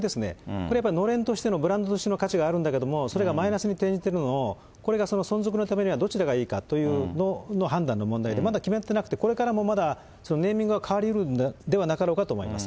これやっぱり、のれんとしてのブランドとしての価値があるんだけど、それがマイナスに転じているのを、これがその存続のためにはどちらがいいかというのの判断の問題で、まだ決まってなくて、これからもネーミングは変わりうるんではなかろうかと思います。